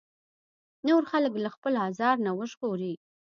نور خلک له خپل ازار نه وژغوري.